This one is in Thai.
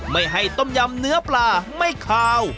ไม่ให้ต้มยำเนื้อปลาไม่คาว